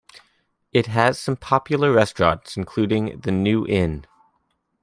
It has some popular restaurants including The New Inn.